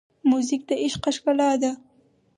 موزیک د عشقه ښکلا ده.